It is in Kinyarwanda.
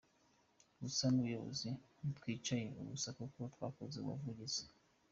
Gusa nk’ubuyobozi ntitwicaye ubusa kuko twakoze ubuvugizi.